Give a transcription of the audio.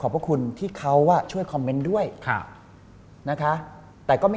มอืม